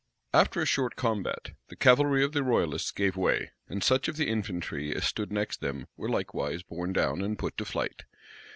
After a short combat, the cavalry of the royalists gave way; and such of the infantry as stood next them were likewise borne down and put to flight.